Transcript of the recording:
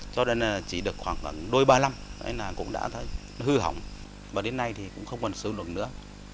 cho nên là chỉ được khoảng đôi ba năm cũng đã hư hỏng và đến nay thì cũng không còn sử dụng được nữa